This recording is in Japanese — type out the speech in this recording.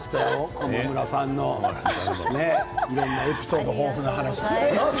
駒村さんのエピソード豊富な話。